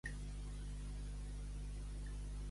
Wiki-Wiki Bus a l'aeroport de Honolulu